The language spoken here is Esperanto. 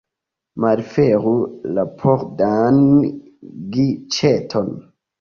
Malfermu la pordan giĉeton.